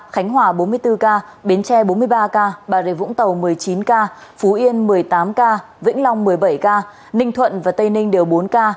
khánh hòa bốn mươi bốn ca bến tre bốn mươi ba ca bà rịa vũng tàu một mươi chín ca phú yên một mươi tám ca vĩnh long một mươi bảy ca ninh thuận và tây ninh đều bốn ca